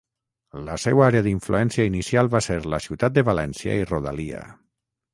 La seua àrea d'influència inicial va ser la Ciutat de València i rodalia.